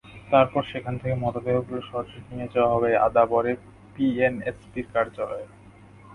তারপর সেখান থেকে মরদেহগুলো সরাসরি নিয়ে যাওয়া হবে আদাবরে পিএনএসপির কার্যালয়ে।